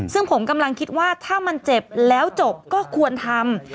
ซึ่งผมกำลังคิดว่าถ้ามันเจ็บแล้วจบก็ควรทำ